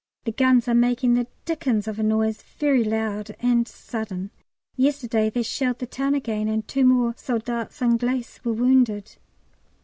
The guns are making the dickens of a noise, very loud and sudden. Yesterday they shelled the town again, and two more soldats anglais were wounded.